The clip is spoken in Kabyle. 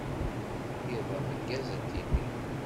Iḍ ameggaz a Timmy.